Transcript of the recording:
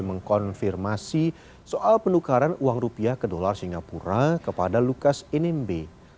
mengkonfirmasi soal penukaran uang rupiah ke dolar singapura kepada lukas nmb